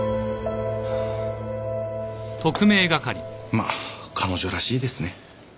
まあ彼女らしいですね。